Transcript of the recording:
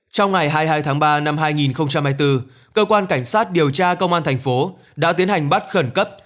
trong ngày hai mươi hai tháng ba năm hai nghìn hai mươi bốn cơ quan cảnh sát điều tra công an thành phố đã tiến hành bắt khẩn cấp